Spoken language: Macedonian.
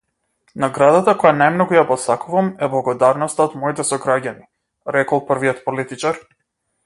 Наградата која најмногу ја посакувам е благодарноста од моите сограѓани, рекол првиот политичар.